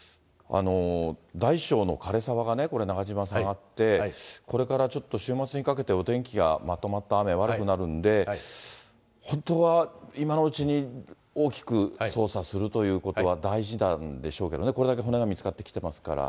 大小の枯れ沢が、中島さん、あって、これからちょっと週末にかけてお天気がまとまった雨、悪くなるので、本当は今のうちに大きく捜査するということは大事なんでしょうけどね、これだけ骨が見つかってきてますから。